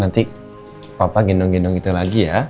nanti papa gendong gendong itu lagi ya